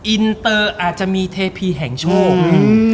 อินเตอร์อาจจะมีเทพีแห่งโชคอืม